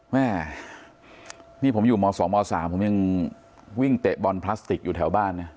แม่นี่ผมอยู่ม๒ม๓ผมยังวิ่งเตะบอลพลาสติกอยู่แถวบ้านนะ